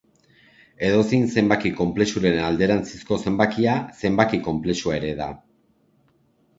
Edozein zenbaki konplexuaren alderantzizko zenbakia zenbaki konplexua ere da.